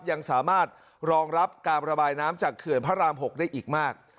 ยังสามารถรองรับการระบายน้ำจากเขื่อนพระราม๖ได้อีกมาก